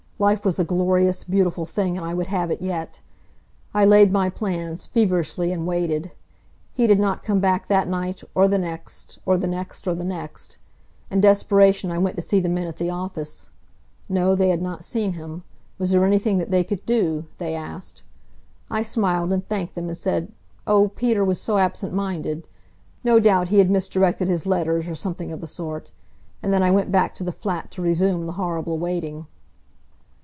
Life was a glorious, beautiful thing, and I would have it yet. I laid my plans, feverishly, and waited. He did not come back that night, or the next, or the next, or the next. In desperation I went to see the men at the office. No, they had not seen him. Was there anything that they could do? they asked. I smiled, and thanked them, and said, oh, Peter was so absent minded! No doubt he had misdirected his letters, or something of the sort. And then I went back to the flat to resume the horrible waiting.